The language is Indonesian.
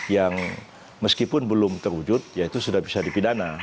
yang meskipun belum terwujud ya itu sudah bisa dipidana